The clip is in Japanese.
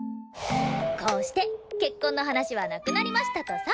こうして結婚の話はなくなりましたとさ。